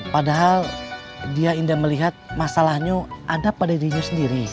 padahal dia indah melihat masalahnya ada pada dirinya sendiri